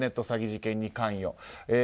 詐欺事件に関与。